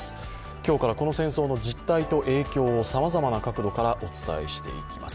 今日からこの戦争の実態と影響をさまざまな角度からお伝えしていきます。